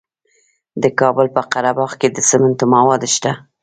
د کابل په قره باغ کې د سمنټو مواد شته.